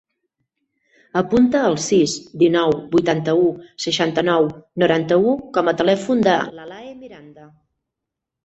Apunta el sis, dinou, vuitanta-u, seixanta-nou, noranta-u com a telèfon de l'Alae Miranda.